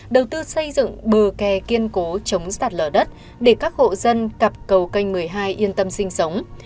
đầu tư xây dựng bờ kè kiên cố chống sạt lở đất để các hộ dân cặp cầu canh một mươi hai yên tâm sinh sống